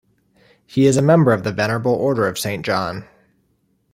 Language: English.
He is a Member of the Venerable Order of Saint John.